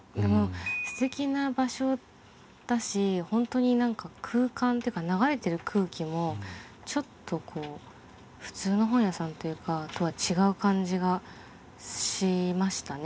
すてきな場所だし本当に何か空間っていうか流れてる空気もちょっとこう普通の本屋さんとは違う感じがしましたね。